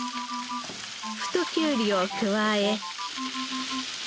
太きゅうりを加え。